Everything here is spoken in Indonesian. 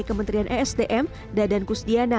kementerian esdm dadan kusdiana